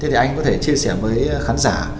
thì anh có thể chia sẻ với khán giả